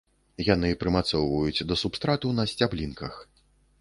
Яйцы прымацоўваюць да субстрату на сцяблінках.